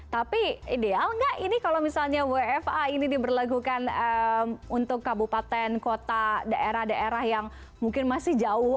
tapi ideal nggak ini kalau misalnya wfa ini diberlakukan untuk kabupaten kota daerah daerah yang mungkin masih jauh